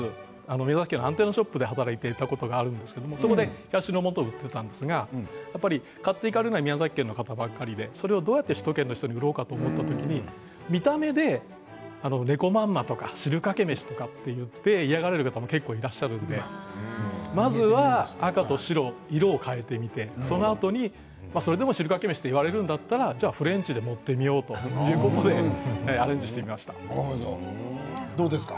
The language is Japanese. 宮崎県のアンテナショップで働いていたことがあるんですけどそこで冷や汁のもとを売っていたんですが買っていかれるのは宮崎県の方ばかりでそれをどうやって首都圏の方に売ろうと思った時に見た目でねこまんまとか、汁かけ飯とかといって嫌がる方も結構いらっしゃったのでまずは赤と白、色を変えてみてそのあとにそれでも汁かけ飯と言われるんだったらフレンチで売ってみようということでどうですか？